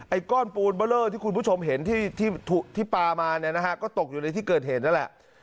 ก้อนปูนเบอร์เลอร์ที่คุณผู้ชมเห็นที่ปลามาเนี่ยนะฮะก็ตกอยู่ในที่เกิดเหตุนั่นแหละ